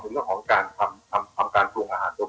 ในเรื่องของทำการปรุงอาหารตัวนั้น